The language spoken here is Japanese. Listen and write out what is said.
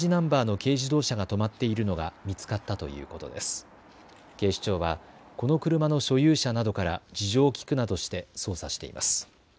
警視庁はこの車の所有者などから事情を聴くなどして捜査しています。